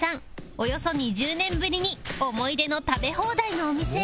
およそ２０年ぶりに思い出の食べ放題のお店へ